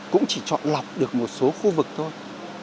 cũng chỉ chọn lọc được một số khu vực thôi